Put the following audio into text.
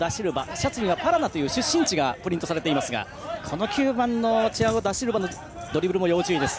シャツにはパラナという出身地がプリントされていますがこの９番のチアゴ・ダシルバのドリブルも要注意です。